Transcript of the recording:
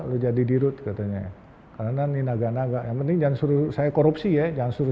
lo jadi dirut katanya karena ini naga naga yang penting jangan suruh saya korupsi ya jangan suruh